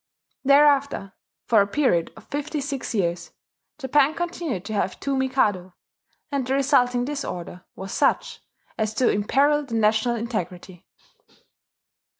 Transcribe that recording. Thereafter, for a period of fifty six years Japan continued to have two Mikado; and the resulting disorder was such as to imperil the national integrity.